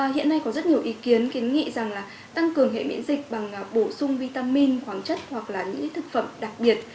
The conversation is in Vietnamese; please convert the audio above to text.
hiện nay có rất nhiều ý kiến kiến nghị rằng là tăng cường hệ miễn dịch bằng bổ sung vitamin khoáng chất hoặc là những thực phẩm đặc biệt